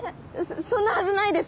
そんなはずないです。